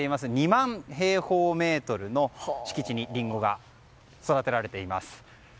２万平方メートルの敷地にリンゴが育てられています。